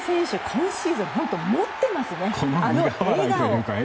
今シーズン、本当に持ってますね。